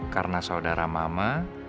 karena saudara mama